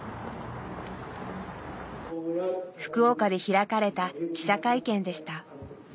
福岡で開かれた記者会見でした。